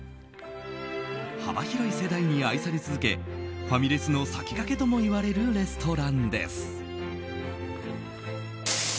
幅広い世代に愛され続けファミレスの先駆けともいわれるレストランです。